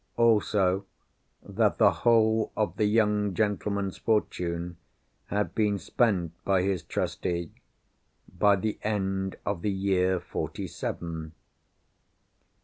Also, that the whole of the young gentleman's fortune had been spent by his Trustee, by the end of the year 'forty seven.